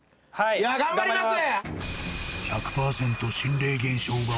いや頑張ります